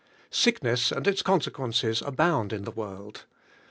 Sickness and its con sequences abound in the world.